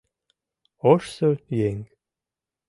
Ожсо еҥ